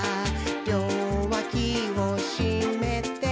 「りょうわきをしめて、」